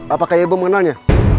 apakah ibu mengenalnya